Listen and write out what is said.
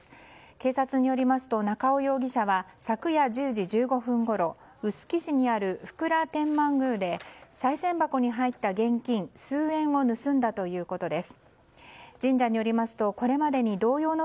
警察によりますと中尾容疑者は昨夜１０時１５分ごろ臼杵市にある福良天満宮でさい銭箱に入った現金数円を盗んだということです。